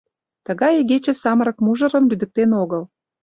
Тыгай игече самырык мужырым лӱдыктен огыл.